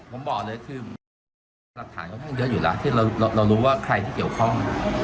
ผมบอกเลยคือหลักฐานค่อนข้างเยอะอยู่แล้วที่เรารู้ว่าใครที่เกี่ยวข้อง